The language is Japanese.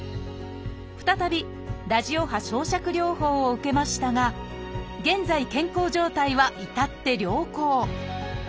再びラジオ波焼灼療法を受けましたが現在健康状態は至って良好。